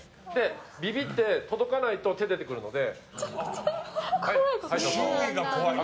びびって届かないと手が出てくるので。